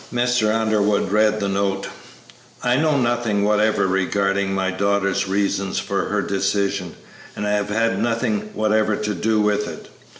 Mr. Underwood read the note. "I know nothing whatever regarding my daughter's reasons for her decision, and have had nothing whatever to do with it.